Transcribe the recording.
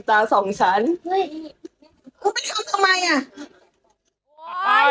ตาสองชั้นหาทำตาสองชั้นเฮ้ยไม่ทำทำไมน่ะ